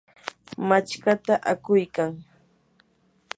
machkata akuykan.